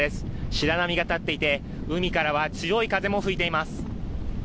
白波が立っていて海からは強い風も吹いています。